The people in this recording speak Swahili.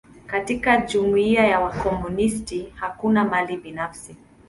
Katika jumuia ya wakomunisti, hakuna mali binafsi.